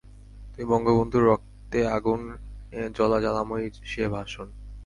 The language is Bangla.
তুমি বঙ্গবন্ধুর রক্তে আগুনে জ্বলা জ্বালাময়ী সে ভাষন।